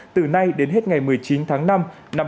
từ nay đến hết ngày một mươi chín tháng năm năm hai nghìn hai mươi